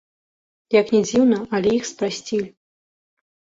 Як ні дзіўна, але іх спрасцілі.